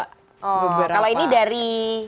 kalau ini dari